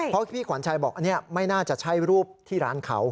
เพราะพี่ขวัญชัยบอกอันนี้ไม่น่าจะใช่รูปที่ร้านเขา